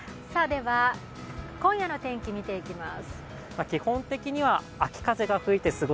今夜の天気見ていきます。